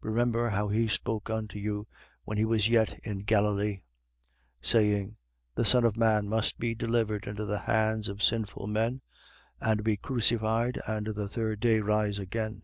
Remember how he spoke unto you, when he was yet in Galilee, 24:7. Saying: The Son of man must be delivered into the hands of sinful men and be crucified and the third day rise again.